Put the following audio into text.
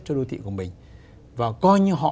cho đô thị của mình và coi như họ